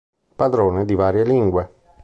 Padrone di varie lingue.